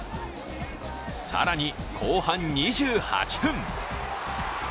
更に後半２８分。